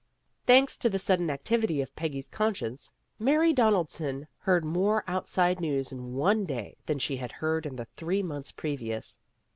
Thanks to the sudden activity of Peggy's conscience, Mary Donaldson heard more out side news in one day than she had heard in the three months previous.